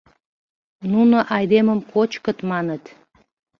Нуно айдемым кочкыт, маныт!